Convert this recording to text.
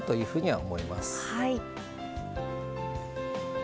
はい。